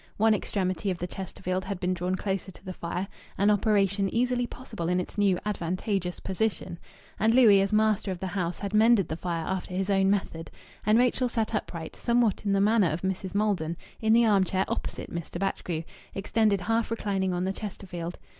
One extremity of the Chesterfield had been drawn closer to the fire an operation easily possible in its new advantageous position and Louis as master of the house had mended the fire after his own method, and Rachel sat upright (somewhat in the manner of Mrs. Maldon) in the arm chair opposite Mr. Batchgrew, extended half reclining on the Chesterfield.